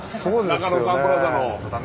中野サンプラザの。